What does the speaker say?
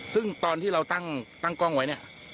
ซึ่งตอนที่เราตั้งกล้องไว้เนี่ย